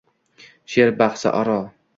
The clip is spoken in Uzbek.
She’r bahsi aro